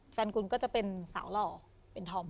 แฟนคุณก็จะเป็นสาวหล่อเป็นธอม